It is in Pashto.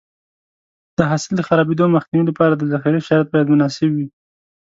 د حاصل د خرابېدو مخنیوي لپاره د ذخیرې شرایط باید مناسب وي.